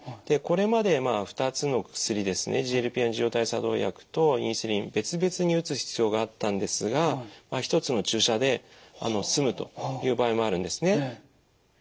でこれまでまあ２つの薬ですねＧＬＰ−１受容体作動薬とインスリン別々に打つ必要があったんですが一つの注射で済むという場合もあるんですね。